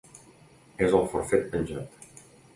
És el forfet penjat.